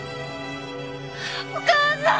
お母さん！